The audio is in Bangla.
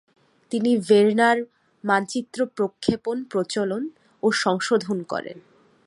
তিনি ভের্নার মানচিত্র প্রক্ষেপণ প্রচলন ও সংশোধন করেন।